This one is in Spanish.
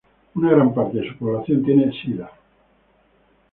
Una gran parte de su población tiene sida.